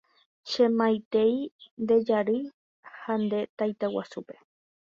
Che maitei nde jarýi ha nde taitaguasúpe.